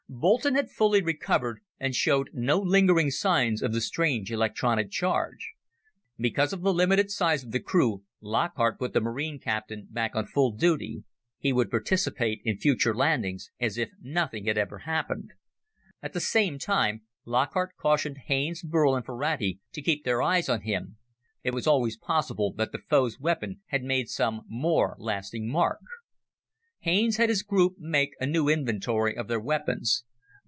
Boulton had fully recovered and showed no lingering signs of the strange electronic charge. Because of the limited size of the crew, Lockhart put the Marine captain back on full duty he would participate in future landings as if nothing had ever happened. At the same time, Lockhart cautioned Haines, Burl and Ferrati to keep their eyes on him. It was always possible that the foe's weapon had made some more lasting mark. Haines had his group make a new inventory of their weapons.